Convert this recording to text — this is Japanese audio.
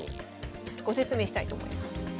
ご説明したいと思います。